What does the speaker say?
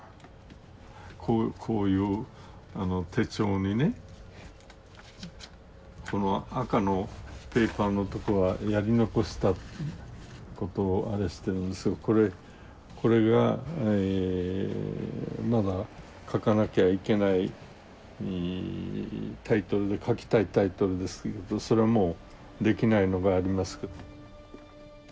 こういう手帳にねこの赤のペーパーのとこはやり残したことをあれしてるんですがこれこれがまだ書かなきゃいけないタイトルで書きたいタイトルですけれどそれはもうできないのがありますけど。